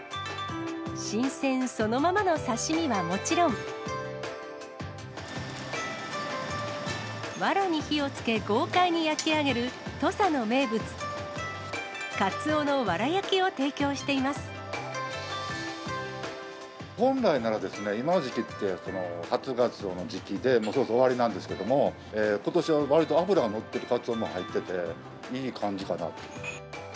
新鮮そのままの刺身はもちろん、わらに火をつけ、豪快に焼き上げる土佐の名物、カツオのわら焼きを提供していま本来なら、今の時期って、初ガツオの時期で、もうそろそろ終わりなんですけども、ことしは、わりと脂が乗ってるカツオも入ってて、いい感じかなと。